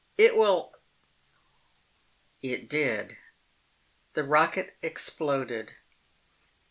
It will " It did. The rocket exploded.